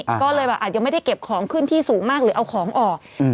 ก็เลยแบบอาจยังไม่ได้เก็บของขึ้นที่สูงมากหรือเอาของออกอืม